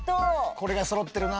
これが揃ってるな。